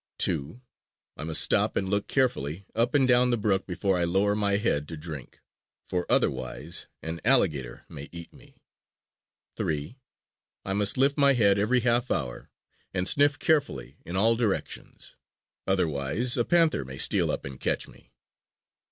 II. I must stop and look carefully up and down the brook before I lower my head to drink; for otherwise an alligator may eat me. III. I must lift my head every half hour and sniff carefully in all directions; otherwise a panther may steal up and catch me.